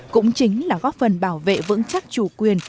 cũng chính là góp phần bảo vệ vững chắc chủ quyền